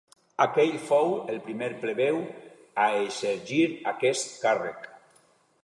Aquell fou el primer plebeu a exercir aquest càrrec.